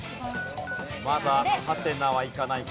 まだハテナはいかないか？